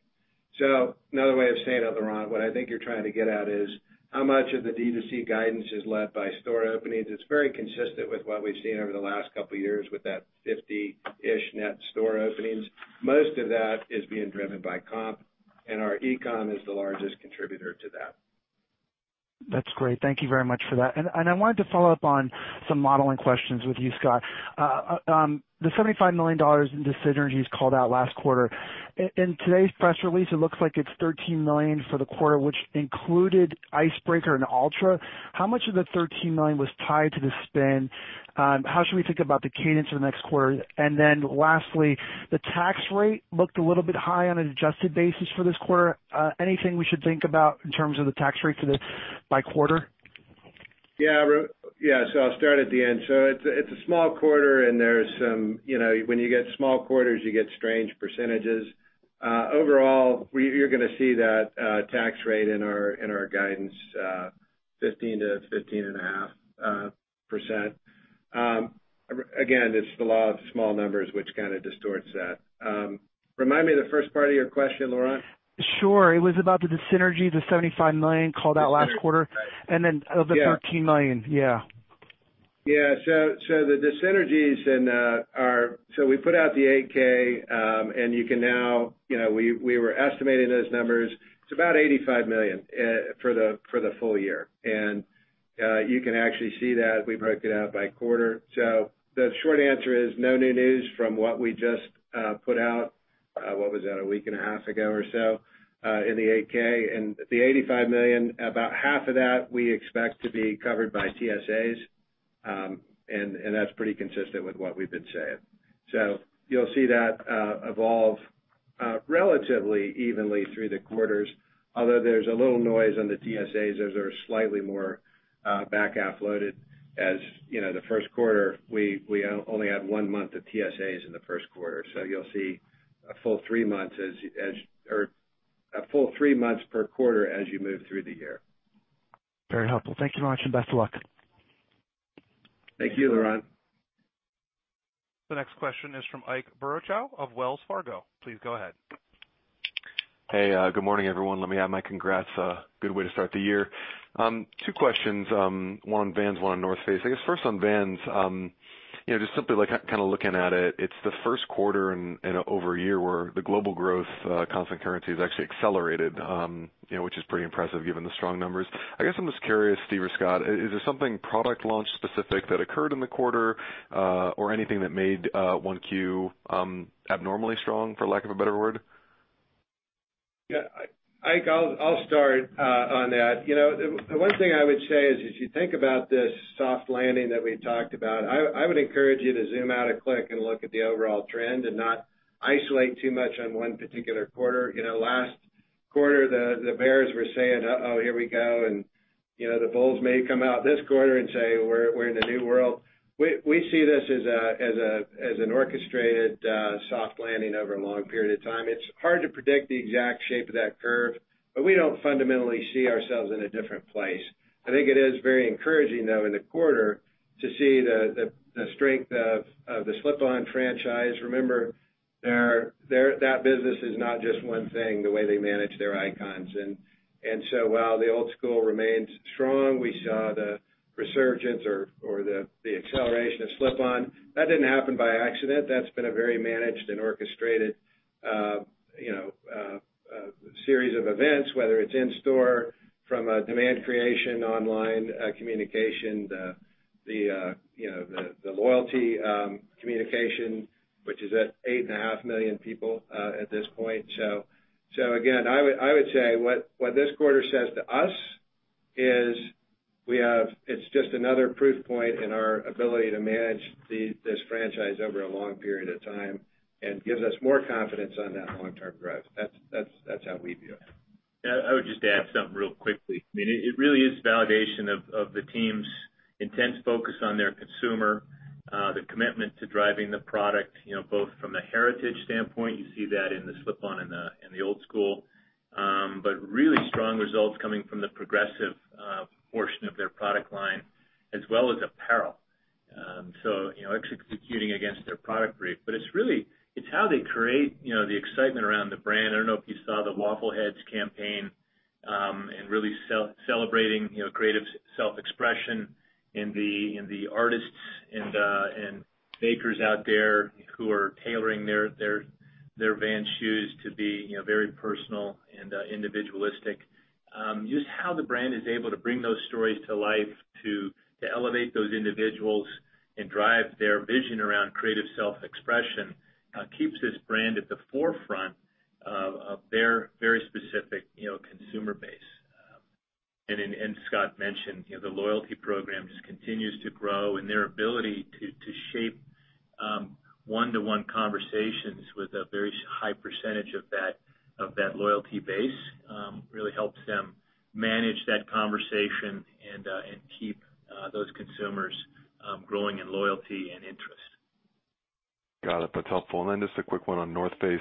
Another way of saying it, Laurent, what I think you're trying to get at is, how much of the D2C guidance is led by store openings? It's very consistent with what we've seen over the last couple of years with that 50-ish net store openings. Most of that is being driven by comp, and our e-com is the largest contributor to that. That's great. Thank you very much for that. I wanted to follow up on some modeling questions with you, Scott. The $75 million in dissynergies called out last quarter. In today's press release, it looks like it's $13 million for the quarter, which included Icebreaker and Altra. How much of the $13 million was tied to the spin? How should we think about the cadence for the next quarter? Lastly, the tax rate looked a little bit high on an adjusted basis for this quarter. Anything we should think about in terms of the tax rate by quarter? Yeah. I'll start at the end. It's a small quarter and when you get small quarters, you get strange percentages. Overall, you're going to see that tax rate in our guidance, 15%-15.5%. Again, it's the law of small numbers which kind of distorts that. Remind me the first part of your question, Laurent. Sure. It was about the dissynergy, the $75 million called out last quarter. The dissynergy. Of the $13 million. Yeah. Yeah. The dissynergies we put out the 8-K, we were estimating those numbers. It's about $85 million for the full-year. You can actually see that we broke it out by quarter. The short answer is no new news from what we just put out, what was that? A week and a half ago or so, in the 8-K. The $85 million, about half of that we expect to be covered by TSAs. That's pretty consistent with what we've been saying. You'll see that evolve relatively evenly through the quarters, although there's a little noise on the TSAs. Those are slightly more back half loaded. You know, the first quarter, we only had one month of TSAs in the first quarter. You'll see a full three months per quarter as you move through the year. Very helpful. Thank you much, and best of luck. Thank you, Laurent. The next question is from Ike Boruchow of Wells Fargo. Please go ahead. Hey, good morning, everyone. Let me add my congrats. Good way to start the year. Two questions. One on Vans, one on The North Face. I guess first on Vans. Just simply looking at it's the first quarter in over a year where the global growth constant currency has actually accelerated, which is pretty impressive given the strong numbers. I guess I'm just curious, Steve or Scott, is there something product launch specific that occurred in the quarter, or anything that made 1Q abnormally strong, for lack of a better word? Yeah. Ike, I'll start on that. The one thing I would say is, as you think about this soft landing that we talked about, I would encourage you to zoom out a click and look at the overall trend and not isolate too much on one particular quarter. Last quarter, the bears were saying, "Uh-oh, here we go," and the bulls may come out this quarter and say, "We're in a new world." We see this as an orchestrated soft landing over a long period of time. It's hard to predict the exact shape of that curve, but we don't fundamentally see ourselves in a different place. I think it is very encouraging, though, in the quarter to see the strength of the slip-on franchise. Remember, that business is not just one thing, the way they manage their icons. While the Old Skool remains strong, we saw the resurgence or the acceleration of slip-on. That didn't happen by accident. That's been a very managed and orchestrated series of events, whether it's in store from a demand creation, online communication, the loyalty communication, which is at 8.5 million people at this point. Again, I would say what this quarter says to us is, it's just another proof point in our ability to manage this franchise over a long period of time and gives us more confidence on that long-term growth. That's how we view it. Yeah, I would just add something real quickly. It really is validation of the team's intense focus on their consumer, the commitment to driving the product both from the heritage standpoint, you see that in the slip-on and the Old Skool. Really strong results coming from the progressive portion of their product line as well as apparel. Actually executing against their product brief. It's how they create the excitement around the brand. I don't know if you saw the Waffleheads campaign, really celebrating creative self-expression in the artists and bakers out there who are tailoring their Vans shoes to be very personal and individualistic. Just how the brand is able to bring those stories to life to elevate those individuals and drive their vision around creative self-expression keeps this brand at the forefront of their very specific consumer base. Scott mentioned, the loyalty program just continues to grow, and their ability to shape one-to-one conversations with a very high percentage of that loyalty base really helps them manage that conversation and keep those consumers growing in loyalty and interest. Got it. That's helpful. Just a quick one on The North Face.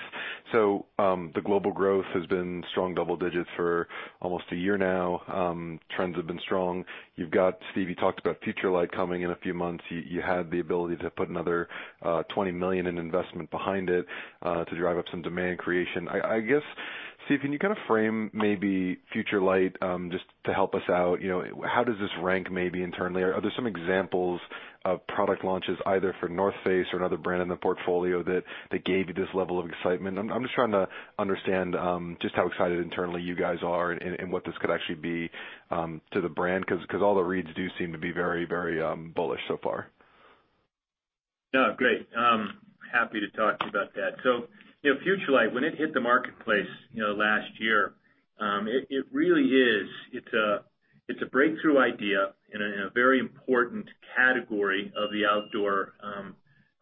The global growth has been strong double digits for almost a year now. Trends have been strong. Steve, you talked about FUTURELIGHT coming in a few months. You had the ability to put another $20 million in investment behind it to drive up some demand creation. I guess, Steve, can you kind of frame maybe FUTURELIGHT just to help us out? How does this rank maybe internally? Are there some examples of product launches either for The North Face or another brand in the portfolio that gave you this level of excitement? I'm just trying to understand just how excited internally you guys are and what this could actually be to the brand. All the reads do seem to be very bullish so far. Yeah, great. Happy to talk to you about that. FUTURELIGHT, when it hit the marketplace last year, it's a breakthrough idea in a very important category of the outdoor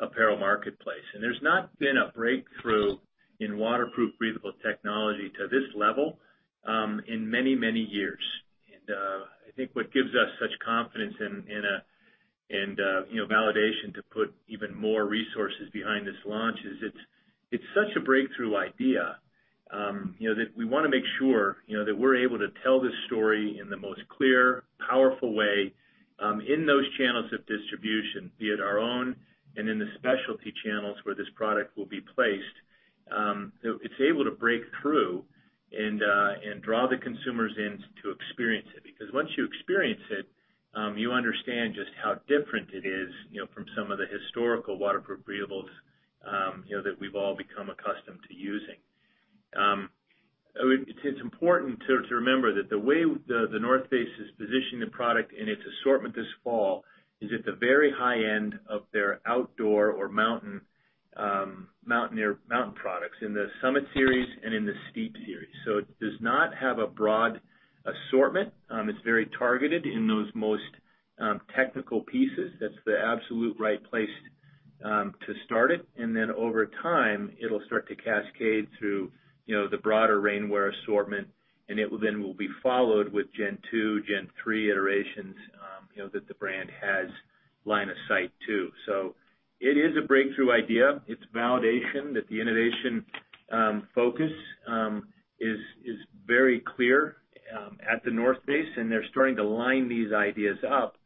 apparel marketplace. There's not been a breakthrough in waterproof, breathable technology to this level in many, many years. I think what gives us such confidence in and validation to put even more resources behind this launch is it's such a breakthrough idea that we want to make sure that we're able to tell this story in the most clear, powerful way in those channels of distribution, be it our own and in the specialty channels where this product will be placed. It's able to break through and draw the consumers in to experience it. Because once you experience it, you understand just how different it is from some of the historical waterproof breathables that we've all become accustomed to using. It's important to remember that the way The North Face has positioned the product in its assortment this fall is at the very high end of their outdoor or mountain products, in the Summit Series and in the Steep Series. It does not have a broad assortment. It's very targeted in those most technical pieces. That's the absolute right place to start it. Over time, it'll start to cascade through the broader rainwear assortment, and it will then will be followed with gen two, gen three iterations that the brand has line of sight to. It is a breakthrough idea. It's validation that the innovation focus is very clear at The North Face, they're starting to line these ideas up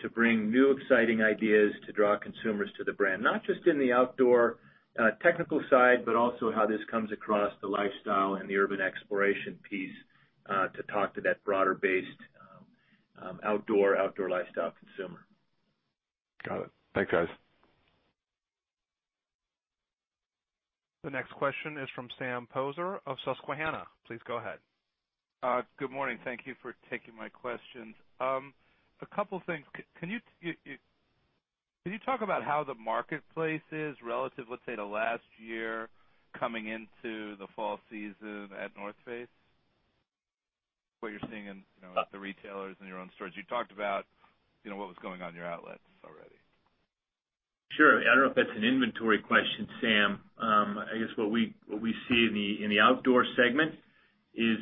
to bring new, exciting ideas to draw consumers to the brand. Not just in the outdoor technical side, but also how this comes across the lifestyle and the Urban Exploration piece to talk to that broader-based outdoor lifestyle consumer. Got it. Thanks, guys. The next question is from Sam Poser of Susquehanna. Please go ahead. Good morning. Thank you for taking my questions. A couple things. Can you talk about how the marketplace is relative, let's say, to last year coming into the fall season at The North Face? What you're seeing in the retailers and your own stores. You talked about what was going on in your outlets already. Sure. I don't know if that's an inventory question, Sam. I guess what we see in the outdoor segment is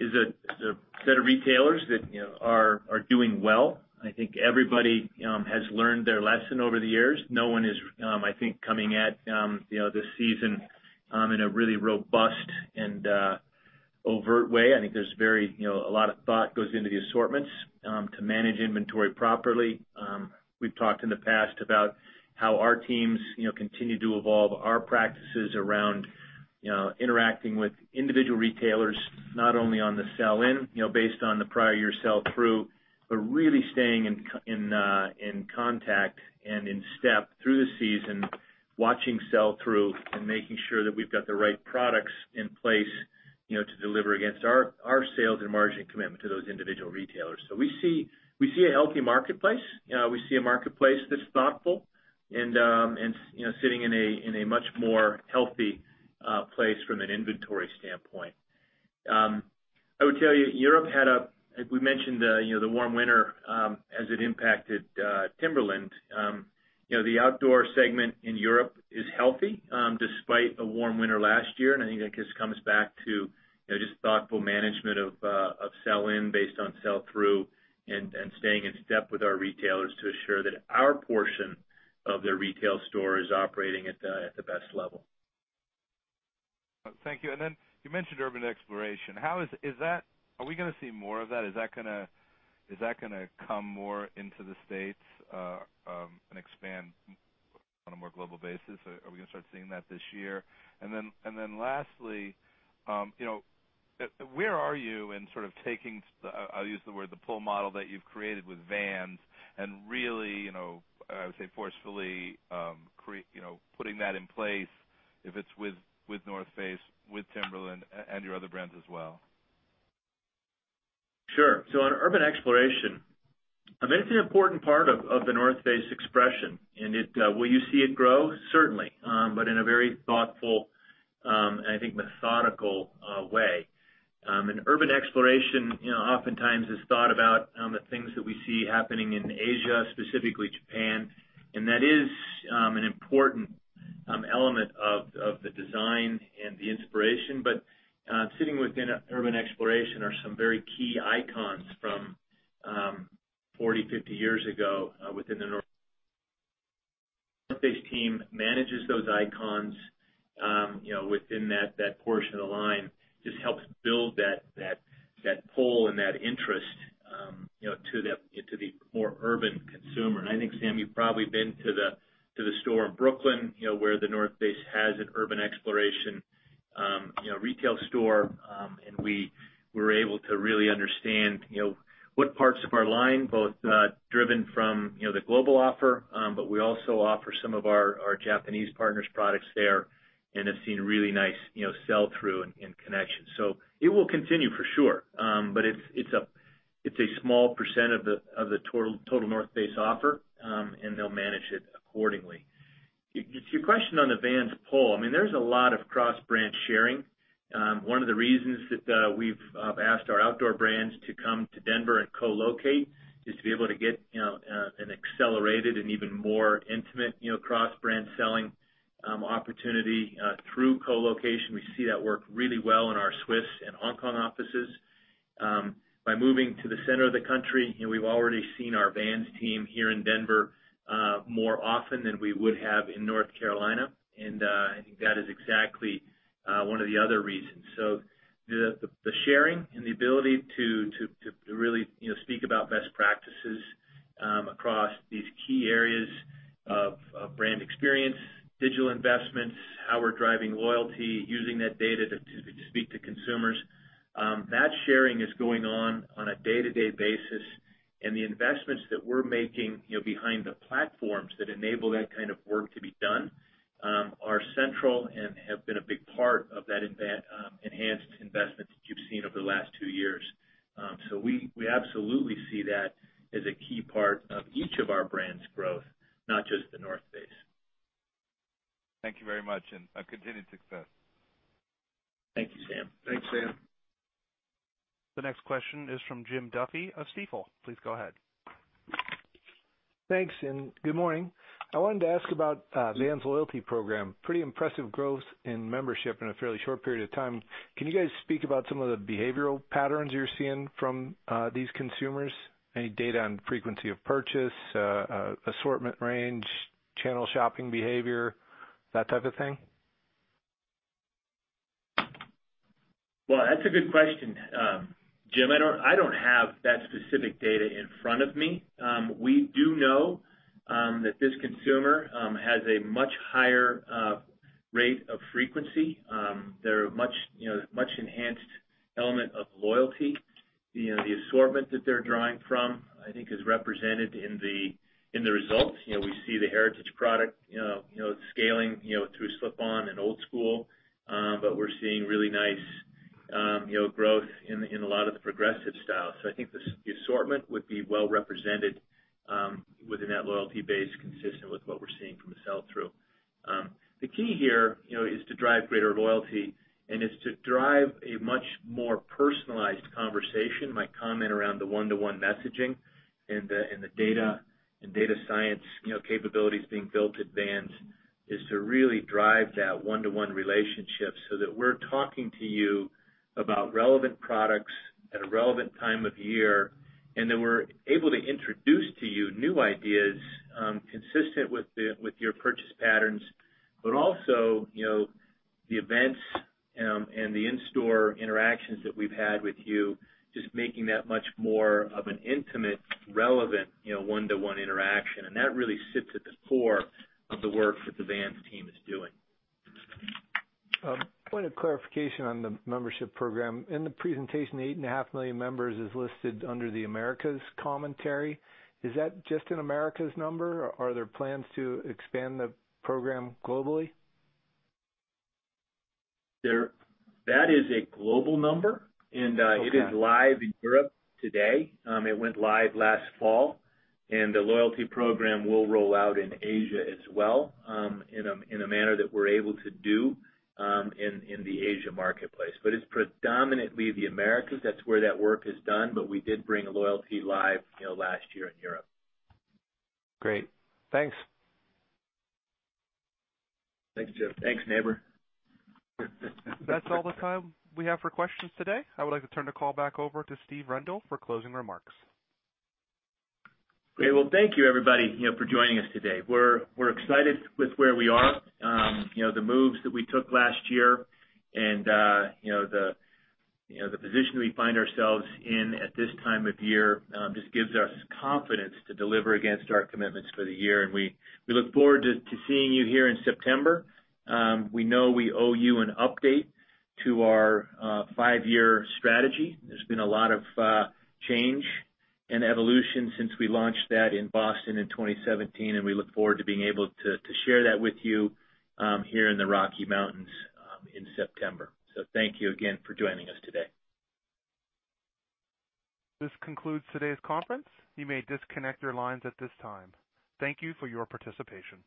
a set of retailers that are doing well. I think everybody has learned their lesson over the years. No one is, I think, coming at this season in a really robust and overt way. I think a lot of thought goes into the assortments to manage inventory properly. We've talked in the past about how our teams continue to evolve our practices around interacting with individual retailers, not only on the sell-in based on the prior year sell-through, but really staying in contact and in step through the season, watching sell-through, and making sure that we've got the right products in place to deliver against our sales and margin commitment to those individual retailers. We see a healthy marketplace. We see a marketplace that's thoughtful and sitting in a much more healthy place from an inventory standpoint. I would tell you, we mentioned the warm winter as it impacted Timberland. The outdoor segment in Europe is healthy despite a warm winter last year. I think that just comes back to just thoughtful management of sell-in based on sell-through and staying in step with our retailers to assure that our portion of their retail store is operating at the best level. You mentioned Urban Exploration. Are we going to see more of that? Is that going to come more into the U.S. and expand on a more global basis? Are we going to start seeing that this year? Lastly, where are you in sort of taking, I'll use the word the pull model that you've created with Vans and really, I would say forcefully putting that in place, if it's with The North Face, with Timberland, and your other brands as well? Sure. On Urban Exploration, it's an important part of The North Face expression. Will you see it grow? Certainly. In a very thoughtful, and I think methodical way. Urban Exploration oftentimes is thought about the things that we see happening in Asia, specifically Japan, and that is an important element of the design and the inspiration. Sitting within Urban Exploration are some very key icons from 40, 50 years ago within The North Face team manages those icons within that portion of the line. Just helps build that pull and that interest into the more urban consumer. I think, Sam, you've probably been to the store in Brooklyn, where The North Face has an Urban Exploration retail store. We were able to really understand what parts of our line, both driven from the global offer, but we also offer some of our Japanese partners products there and have seen really nice sell-through and connection. It will continue for sure. It's a small percent of the total The North Face offer, and they'll manage it accordingly. To your question on the Vans pull, there's a lot of cross-brand sharing. One of the reasons that we've asked our outdoor brands to come to Denver and co-locate is to be able to get an accelerated and even more intimate cross-brand selling opportunity through co-location. We see that work really well in our Swiss and Hong Kong offices. By moving to the center of the country, we've already seen our Vans team here in Denver more often than we would have in North Carolina. I think that is exactly one of the other reasons. The sharing and the ability to really speak about best practices across these key areas of brand experience, digital investments, how we're driving loyalty, using that data to speak to consumers. That sharing is going on on a day-to-day basis. The investments that we're making behind the platforms that enable that kind of work to be done are central and have been a big part of that enhanced investment that you've seen over the last two years. We absolutely see that as a key part of each of our brands' growth, not just The North Face. Thank you very much, and continued success. Thank you, Sam. Thanks, Sam. The next question is from Jim Duffy of Stifel. Please go ahead. Thanks, good morning. I wanted to ask about Vans loyalty program. Pretty impressive growth in membership in a fairly short period of time. Can you guys speak about some of the behavioral patterns you're seeing from these consumers? Any data on frequency of purchase, assortment range, channel shopping behavior, that type of thing? Well, that's a good question. Jim, I don't have that specific data in front of me. We do know that this consumer has a much higher rate of frequency. They're a much enhanced element of loyalty. The assortment that they're drawing from, I think is represented in the results. We see the heritage product scaling through slip-on and Old Skool. We're seeing really nice growth in a lot of the progressive styles. I think the assortment would be well-represented within that loyalty base, consistent with what we're seeing from the sell-through. The key here is to drive greater loyalty and is to drive a much more personalized conversation. My comment around the one-to-one messaging and the data and data science capabilities being built at Vans is to really drive that one-to-one relationship so that we're talking to you about relevant products at a relevant time of year. We're able to introduce to you new ideas consistent with your purchase patterns, but also the events and the in-store interactions that we've had with you, just making that much more of an intimate, relevant one-to-one interaction. That really sits at the core of the work that the Vans team is doing. A point of clarification on the membership program. In the presentation, 8.5 million members is listed under the Americas commentary. Is that just an Americas number, or are there plans to expand the program globally? That is a global number. Okay. It is live in Europe today. It went live last fall. The loyalty program will roll out in Asia as well in a manner that we're able to do in the Asia marketplace. It's predominantly the Americas. That's where that work is done. We did bring loyalty live last year in Europe. Great. Thanks. Thanks, Jim. Thanks, neighbor. That's all the time we have for questions today. I would like to turn the call back over to Steve Rendle for closing remarks. Great. Thank you everybody for joining us today. We're excited with where we are. The moves that we took last year and the position we find ourselves in at this time of year just gives us confidence to deliver against our commitments for the year. We look forward to seeing you here in September. We know we owe you an update to our five-year strategy. There's been a lot of change and evolution since we launched that in Boston in 2017, and we look forward to being able to share that with you here in the Rocky Mountains in September. Thank you again for joining us today. This concludes today's conference. You may disconnect your lines at this time. Thank you for your participation.